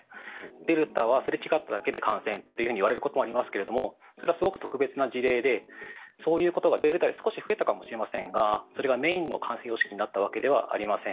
デルタはすれ違っただけで感染といわれることもありますがそれはすごく特別な事例でそれがデルタで少し増えたかもしれませんがそれがメインの感染様式になったわけではありません。